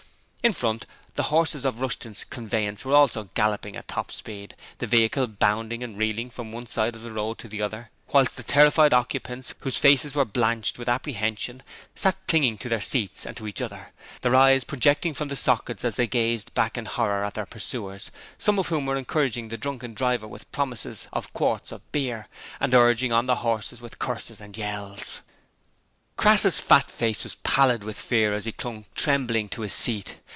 In front, the horses of Rushton's conveyance were also galloping at top speed, the vehicle bounding and reeling from one side of the road to the other, whilst its terrified occupants, whose faces were blanched with apprehension, sat clinging to their seats and to each other, their eyes projecting from the sockets as they gazed back with terror at their pursuers, some of whom were encouraging the drunken driver with promises of quarts of beer, and urging on the horses with curses and yells. Crass's fat face was pallid with fear as he clung trembling to his seat.